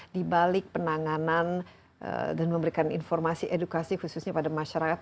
di balik penanganan dan memberikan informasi edukasi khususnya pada masyarakat